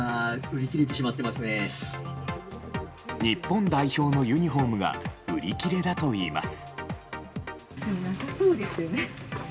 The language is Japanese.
日本代表のユニホームが売り切れだといいます。